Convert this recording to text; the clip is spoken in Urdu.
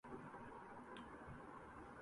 خانمانِ جبریانِ غافل از معنی خراب!